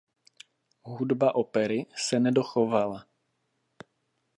Hudba opery se nedochovala.